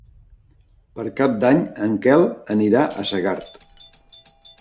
Per Cap d'Any en Quel anirà a Segart.